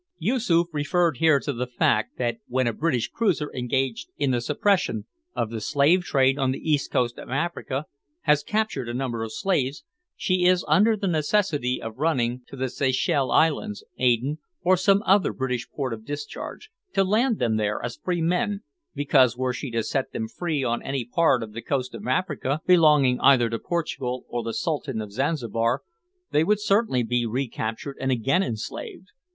Yoosoof referred here to the fact that when a British cruiser engaged in the suppression of the slave trade on the east coast of Africa has captured a number of slaves, she is under the necessity of running to the Seychelles Islands, Aden, or some other British port of discharge, to land them there as free men, because, were she to set them free on any part of the coast of Africa, belonging either to Portugal or the Sultan of Zanzibar, they would certainly be recaptured and again enslaved.